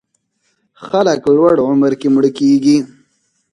خلک لوړ عمر کې مړه کېږي.